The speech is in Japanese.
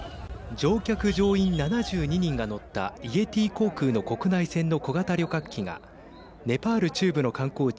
乗客乗員７２人が乗ったイエティ航空の国内線の小型旅客機がネパール中部の観光地